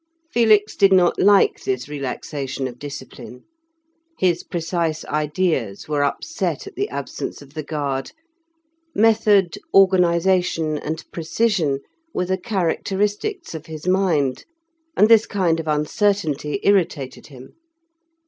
Felix did not like this relaxation of discipline. His precise ideas were upset at the absence of the guard; method, organization, and precision, were the characteristics of his mind, and this kind of uncertainty irritated him.